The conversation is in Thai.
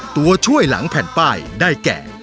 ตัวช่วยหลังแผ่นป้ายได้แก่